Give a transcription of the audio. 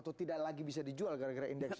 gagal atau tidak lagi bisa dijual gara gara indeksnya